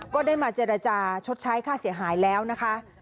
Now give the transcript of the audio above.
ก็ได้มาเจรจาชดใช้ค่าเสียหายแล้วนะคะ